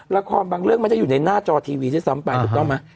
ละครบางเรื่องมันจะอยู่ในหน้าจอทีวีด้วยซ้ำไปถูกต้องไหม